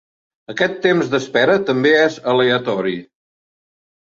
Aquest temps d'espera també és aleatori.